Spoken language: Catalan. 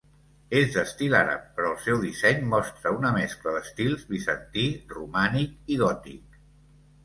És d'estil àrab, però el seu disseny mostra una mescla d'estils bizantí, romànic i gòtic.